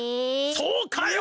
そうかよ！